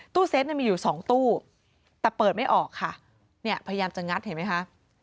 เซตเนี่ยมีอยู่สองตู้แต่เปิดไม่ออกค่ะเนี่ยพยายามจะงัดเห็นไหมคะ